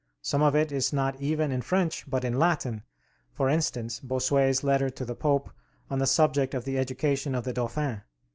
Some of it is not even in French, but in Latin; for instance, Bossuet's letter to the Pope on the subject of the education of the Dauphin.